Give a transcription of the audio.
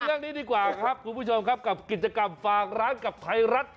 เรื่องนี้ดีกว่าครับคุณผู้ชมครับกับกิจกรรมฝากร้านกับไทยรัฐ